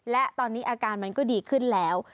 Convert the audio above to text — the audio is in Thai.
และตอนนี้อาการมันก็ดีขึ้นแล้ว